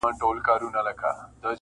o میکده څه نن یې پیر را سره خاندي,